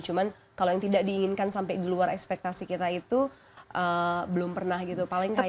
cuma kalau yang tidak diinginkan sampai di luar ekspektasi kita itu belum pernah gitu ya